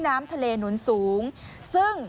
น้ำทะเลหนุนสูงซึ่ง